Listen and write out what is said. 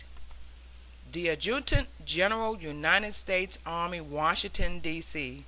THE ADJUTANT GENERAL UNITED STATES ARMY, Washington, D. C.